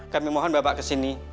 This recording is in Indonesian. kami mohon bapak kesini